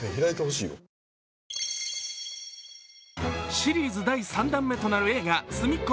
シリーズ第３弾目となる映画「すみっコ